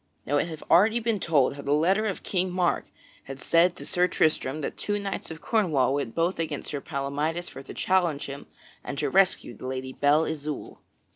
Now it hath already been told how the letter of King Mark had said to Sir Tristram that two knights of Cornwall went both against Sir Palamydes for to challenge him and to rescue the Lady Belle Isoult.